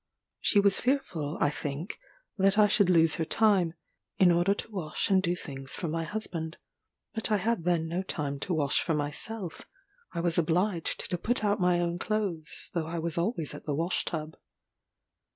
She was fearful, I think, that I should lose her time, in order to wash and do things for my husband: but I had then no time to wash for myself; I was obliged to put out my own clothes, though I was always at the wash tub.